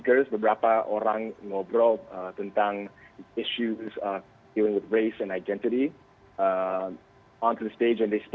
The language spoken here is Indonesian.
berbanyak orang yang membicarakan tentang masalah mengenai ras dan identitas